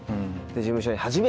で事務所に。